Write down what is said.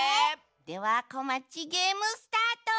では「こまちゲーム」スタート！